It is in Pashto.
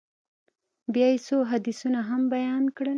بيا يې څو حديثونه هم بيان کړل.